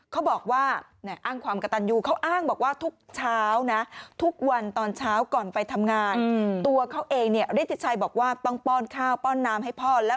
เขาบอกว่าอ้างความกระตันอยู่เขาอ้างบอกว่าทุกเช้านะ